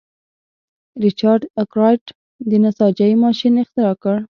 ریچارډ ارکرایټ د نساجۍ ماشین اختراع کړ.